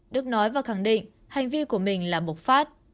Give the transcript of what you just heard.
đức nói và khẳng định hành vi của mình là bộc phát